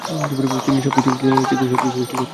তিনিই সব কিছুর সৃষ্টিকর্তা।